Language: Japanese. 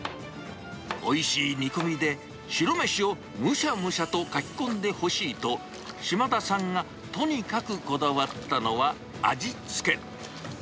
おいしい煮込みで白飯をむしゃむしゃとかきこんでほしいと、島田さんがとにかくこだわったのは、味付け。